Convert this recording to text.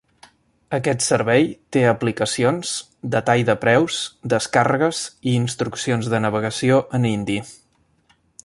Aquest servei te aplicacions, detall de preus, descàrregues i instruccions de navegació en hindi.